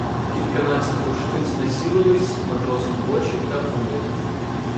Кільканадцять рушниць націлились матросам в очі та груди.